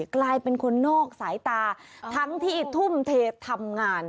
กลายเป็นคนนอกสายตาทั้งที่ทุ่มเททำงาน